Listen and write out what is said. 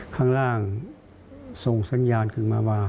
ข้างล่างส่งสัญญาณขึ้นมาว่า